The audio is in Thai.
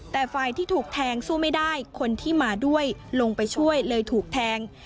แต่ฝ่ายที่ถูกแทงสู้ไม่ได้คนที่มาด้วยลงไปช่วยเลยถูกแทง